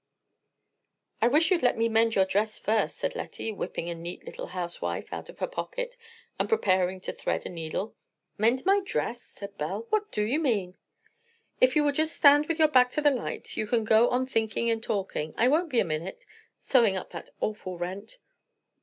"I wish you'd let me mend your dress first," said Lettie, whipping a neat little housewife out of her pocket and preparing to thread a needle. "Mend my dress?" said Belle. "What do you mean?" "If you will just stand with your back to the light, you can go on thinking and talking; I won't be a minute sewing up that awful rent.